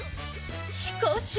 しかし。